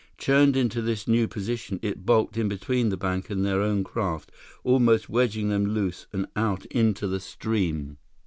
Churned into this new position, it bulked in between the bank and their own craft, almost wedging them loose and out into the stream.